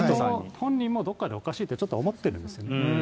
本人もどっかでおかしいってちょっと思ってるんですね。